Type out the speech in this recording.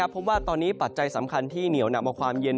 เพราะว่าตอนนี้ปัจจัยสำคัญที่เหนียวนำเอาความเย็น